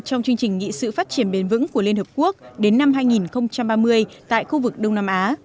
trong chương trình nghị sự phát triển bền vững của liên hợp quốc đến năm hai nghìn ba mươi tại khu vực đông nam á